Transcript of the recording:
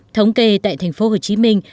thống kê tại thành phố hồ chí minh